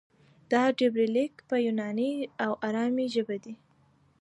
دا ډبرلیک په یوناني او ارامي ژبه دی